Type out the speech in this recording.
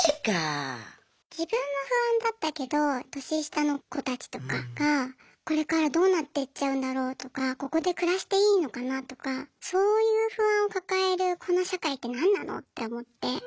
自分も不安だったけど年下の子たちとかがこれからどうなっていっちゃうんだろうとかここで暮らしていいのかなとかそういう不安をかかえるこの社会ってなんなの？って思って。